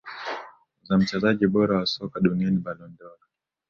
za mchezaji bora wa soka duniani Ballon dOr